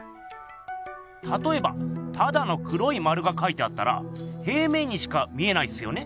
たとえばただの黒い丸がかいてあったら平面にしか見えないっすよね？